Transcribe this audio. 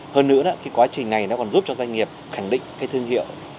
hơn nữa quá trình này còn giúp cho doanh nghiệp khẳng định thương hiệu